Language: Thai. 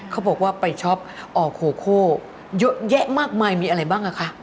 เขาบอกว่าไปช็อปอโคโคเยอะแยะมากมายมีอะไรบ้างอ่ะคะ